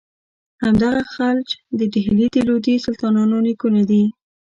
همدغه خلج د ډهلي د لودي سلطانانو نیکونه دي.